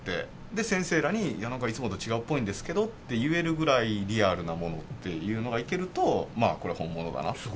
で、先生らに、なんかいつもと違うっぽいですけどって言えるくらいリアルなものっていうのがいけると、これは本物だなって。